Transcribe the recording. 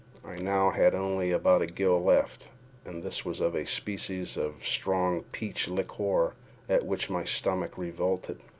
I had now only about a gill left, and this was of a species of strong peach liqueur at which my stomach revolted.